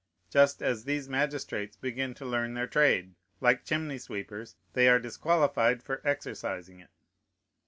Just as these magistrates begin to learn their trade, like chimney sweepers, they are disqualified for exercising it.